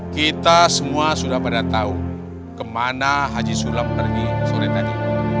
kita semua sudah pada tahu kemana haji sulap pergi sore tadi